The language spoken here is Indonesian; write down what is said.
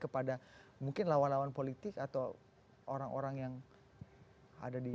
kepada mungkin lawan lawan politik atau orang orang yang ada di